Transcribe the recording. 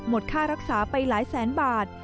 ค่ารักษาไปหลายแสนบาท